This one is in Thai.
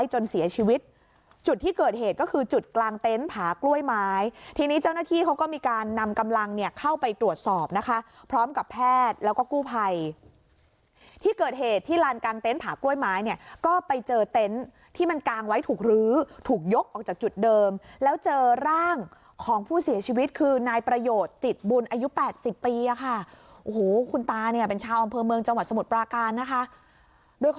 เหตุก็คือจุดกลางเต็นต์ผากล้วยไม้ทีนี้เจ้าหน้าที่เขาก็มีการนำกำลังเนี่ยเข้าไปตรวจสอบนะคะพร้อมกับแพทย์แล้วก็กู้ภัยที่เกิดเหตุที่ลานกลางเต็นต์ผากล้วยไม้เนี่ยก็ไปเจอเต็นต์ที่มันกางไว้ถูกรื้อถูกยกออกจากจุดเดิมแล้วเจอร่างของผู้เสียชีวิตคือนายประโยชน์จิตบุญอายุ๘๐ปีค่ะโอ้